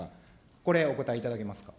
これ、お答えいただけますか。